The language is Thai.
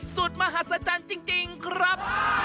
สุดมหัศจรรย์จริงครับ